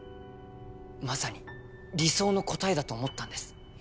まさに理想の答えだと思ったんです